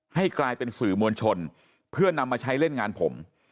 ให้กลายเป็นสื่อมวลชนเพื่อนำมาใช้เล่นงานผม